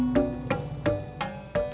kau nunggu gue